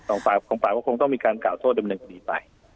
ตรงฝ่ากรรมฝาก็คงต้องมีการกล่าวโทษดำเนินคุณีไป